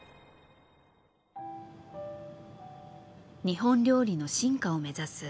日本料理の進化を目指す